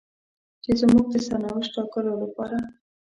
چې زموږ د سرنوشت ټاکلو لپاره.